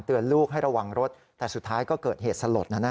ลูกให้ระวังรถแต่สุดท้ายก็เกิดเหตุสลด